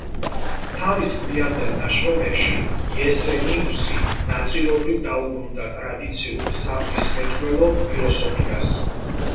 თავის გვიანდელ ნაშრომებში იესენიუსი ნაწილობრივ დაუბრუნდა ტრადიციულ საღვთისმეტყველო ფილოსოფიას.